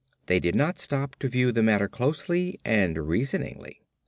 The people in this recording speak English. They did not stop to view the matter closely and reasoningly.